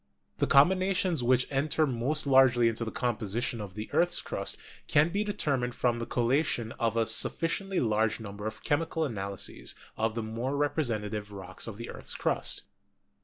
The combinations which enter most largely into the composition of the earth's crust can best be determined from the collation of a sufficiently large number of chemi cal analyses of the more representative rocks of the earth's crust.